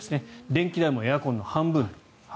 電気代もエアコンの半分。